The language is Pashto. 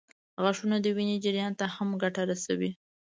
غاښونه د وینې جریان ته هم ګټه رسوي.